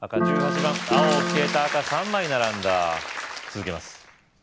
青消えた赤３枚並んだ続けます